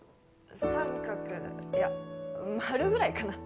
三角いや丸ぐらいかな